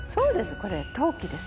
これ陶器です。